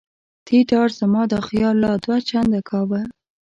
دې ډار زما دا خیال لا دوه چنده کاوه.